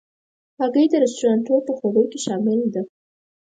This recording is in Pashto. هګۍ د رستورانتو په خوړو کې شامل ده.